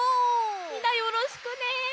みんなよろしくね。